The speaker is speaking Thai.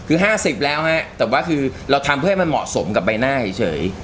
คือ๕๐แล้วฮะแต่ว่าคือเราทำเพื่อให้มันเหมาะสมกับใบหน้าเฉย